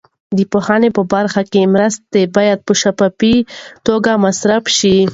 د پوهنې په برخه کې مرستې باید په شفافه توګه مصرف شي.